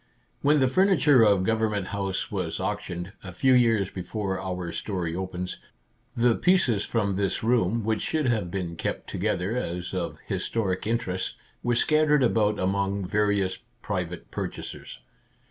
When the furniture of Gov ernment House was auctioned, a few years be fore our story opens, the pieces from this room, which should have been kept together as of historic interest, were scattered about among various private purchasers.